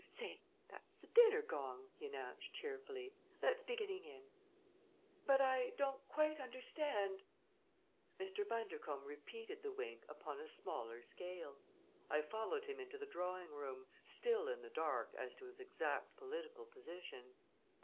"Say, that's the dinner gong!" he announced cheerfully. "Let's be getting in." "But I don't quite understand " Mr. Bundercombe repeated the wink upon a smaller scale. I followed him into the drawing room, still in the dark as to his exact political position.